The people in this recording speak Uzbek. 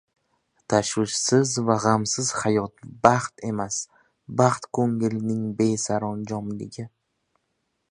Tashvishsiz va g‘amsiz hayot -baxt emas, baxt — ko‘ngilning besaranjomligi.